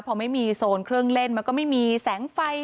พอไม่มีโซนเครื่องเล่นมันก็ไม่มีแสงไฟ